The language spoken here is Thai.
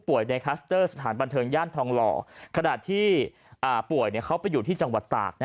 ป่วยในคัสเตอร์สถานบันเถิงแห้งทองรขณะที่อ่าป่วยเขาไปอยู่ที่จังหวัดตากนะ